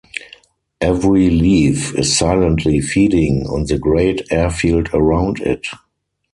Every leaf is silently feeding on the great airfield around it.